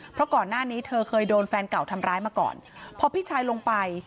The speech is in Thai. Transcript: เพราะก่อนหน้านี้เธอเคยโดนแฟนเก่าทำร้ายมาก่อนพอพี่ชายลงไป